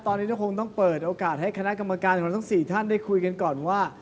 ตอนนี้ก็คงต้องเปิดโอกาสให้คณะกรรมการของเราทั้ง๔ท่านได้คุยกันก่อนว่า